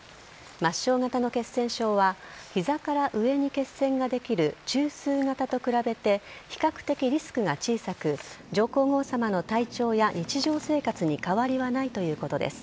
末梢型の血栓症は膝から上に血栓ができる中枢型と比べて比較的リスクが小さく上皇后さまの体調や日常生活に変わりはないということです。